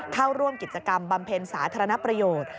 เข้าร่วมกิจกรรมบำเพ็ญสาธารณประโยชน์